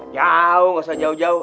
jauh gausah jauh jauh